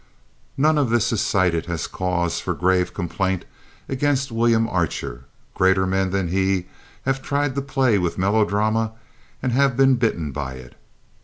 None of this is cited as cause for grave complaint against William Archer. Greater men than he have tried to play with melodrama and have been bitten by it.